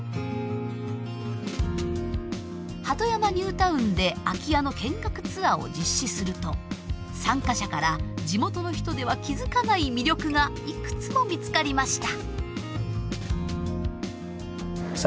鳩山ニュータウンで空き家の見学ツアーを実施すると参加者から地元の人では気付かない魅力がいくつも見つかりました。